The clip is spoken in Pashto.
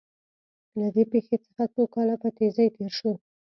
له دې پېښې څخه څو کاله په تېزۍ تېر شول